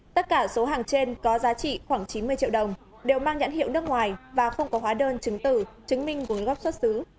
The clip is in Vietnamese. tất cả số hàng trên có giá trị khoảng chín mươi triệu đồng đều mang nhãn hiệu nước ngoài và không có hóa đơn chứng tử chứng minh nguồn gốc xuất xứ